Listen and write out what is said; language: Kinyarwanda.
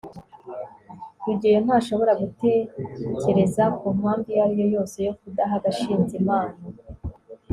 rugeyo ntashobora gutekereza kumpamvu iyo ari yo yose yo kudaha gashinzi impano